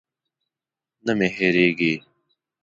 نه مې هېرېږي.